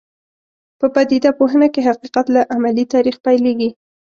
په پدیده پوهنه کې حقیقت له عملي تاریخ پیلېږي.